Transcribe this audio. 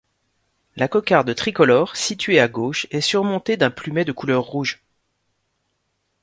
La cocarde tricolore, située à gauche, est surmontée d'un plumet de couleur rouge.